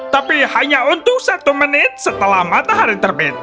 tapi hanya untuk satu menit setelah matahari terbit